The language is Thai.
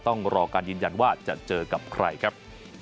ต้องรอการยืนยันว่าจะเจอกับใครครับ